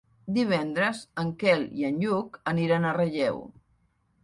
Divendres en Quel i en Lluc aniran a Relleu.